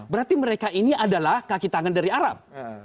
berarti mereka ini adalah kaki tangan dari arab